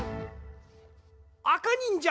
あかにんじゃ！